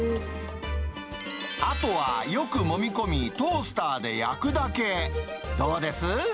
あとは、よくもみ込み、トースターで焼くだけ。